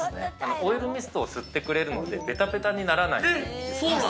オイルミストを吸ってくれるので、べたべたにならない。